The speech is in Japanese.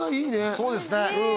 そうですね